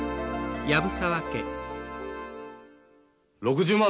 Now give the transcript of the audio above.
６０万